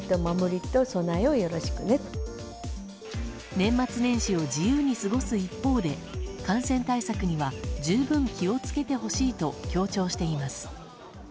年末年始を自由に過ごす一方で感染対策には十分気を付けてほしいと強調しています。